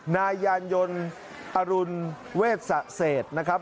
นายยานยนต์อรุณเวชสะเศษนะครับ